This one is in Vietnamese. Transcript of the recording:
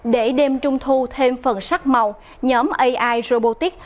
để đem trung thu thêm phần sắc màu nhóm ai robotics